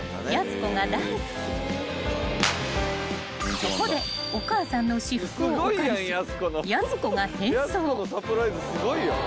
［そこでお母さんの私服をお借りしやす子が変装］